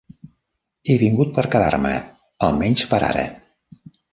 He vingut per quedar-me... almenys per ara.